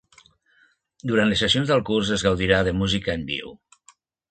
Durant les sessions del curs es gaudirà de música en viu.